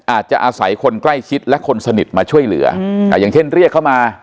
อาจจะอาศัยคนใกล้ชิดและคนสนิทมาช่วยเหลืออย่างเช่นเรียกเข้ามา